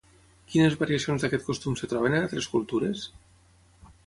Quines variacions d'aquest costum es troben en altres cultures?